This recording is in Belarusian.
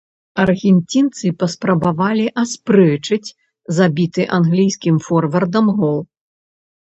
Аргенцінцы паспрабавалі аспрэчыць забіты англійскім форвардам гол.